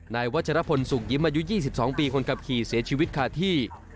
นายวัชรพลสุขยิ้มอายุ๒๒ปีคนขับขี่เสียชีวิตคาที่